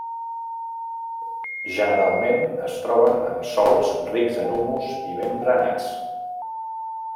Generalment es troben en sòls rics en humus i ben drenats.